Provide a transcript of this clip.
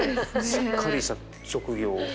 しっかりした職業を全員。